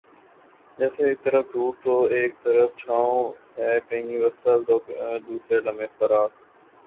جیسے ایک طرف دھوپ تو ایک طرف چھاؤں ہے کہیں وصل تو دوسرے لمحےفراق